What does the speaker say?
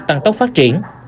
để phát triển